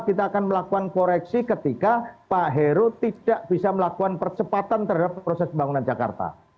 kita akan melakukan koreksi ketika pak heru tidak bisa melakukan percepatan terhadap proses pembangunan jakarta